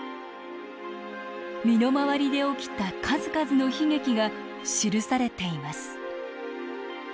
身の回りで起きた数々の悲劇が記されています。